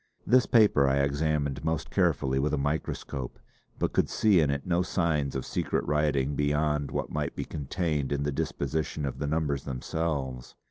This paper I examined most carefully with a microscope; but could see in it no signs of secret writing beyond what might be contained in the disposition of the numbers themselves.